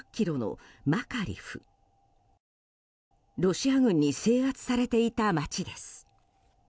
ロシア軍に制圧されていた街です。